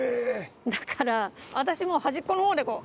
だから私もう端っこの方でこう。